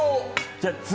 じゃあ、次。